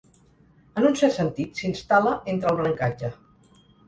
En un cert sentit, s'instal·la entre el brancatge.